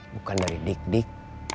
bukan dari dik dik